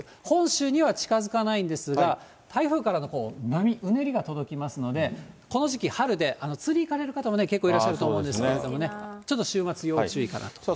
本州には近づかないんですが、台風からの波、うねりが届きますので、この時期、春で、釣り行かれる方も結構いらっしゃると思うんですけれどもね、ちょっと週末、要注意かなと。